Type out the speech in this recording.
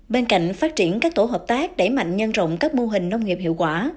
bên cạnh phát triển các tổ hợp tác đẩy mạnh nhân rộng các mô hình nông nghiệp hiệu quả